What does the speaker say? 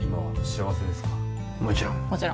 もちろん。